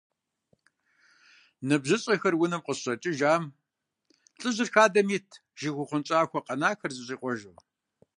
НыбжьыщӀэхэр унэм къыщыщӀэкӀыжам, лӏыжьыр хадэм итт, жыг ухъуэнщӀахуэ къэнахэр зэщӀикъуэжу.